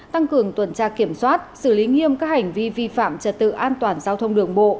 tăng cường tuần tra kiểm soát xử lý nghiêm các hành vi vi phạm trật tự an toàn giao thông đường bộ